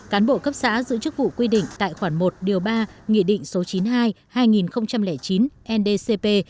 cán bộ cấp xã giữ chức vụ quy định tại khoản một điều ba nghị định số chín mươi hai hai nghìn chín ndcp